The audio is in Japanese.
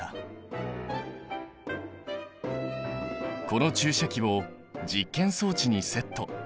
この注射器を実験装置にセット。